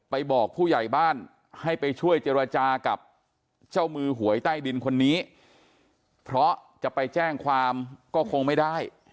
บอกผู้ใหญ่บ้านให้ไปช่วยเจรจากับเจ้ามือหวยใต้ดินคนนี้เพราะจะไปแจ้งความก็คงไม่ได้